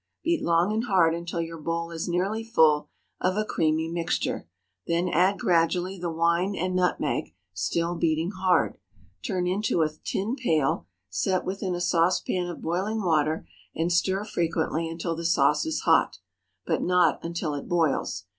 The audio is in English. Beat long and hard until your bowl is nearly full of a creamy mixture. Then add gradually the wine and nutmeg, still beating hard. Turn into a tin pail, set within a saucepan of boiling water, and stir frequently until the sauce is hot, but not until it boils.